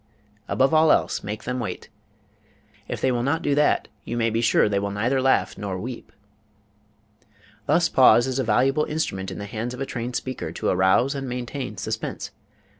Above all else make them wait; if they will not do that you may be sure they will neither laugh nor weep. Thus pause is a valuable instrument in the hands of a trained speaker to arouse and maintain suspense.